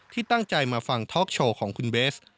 ที่ตั้งใจมาฟังท็อกโชว์ของคุณเบส